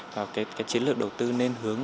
và cái chiến lược đầu tư nên hướng